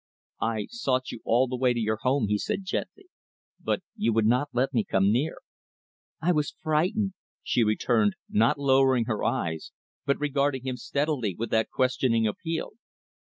"I sought you all the way to your home," he said, gently, "but you would not let me come near." "I was frightened," she returned, not lowering her eyes but regarding him steadily with that questioning appeal.